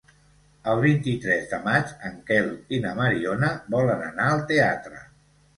El vint-i-tres de maig en Quel i na Mariona volen anar al teatre.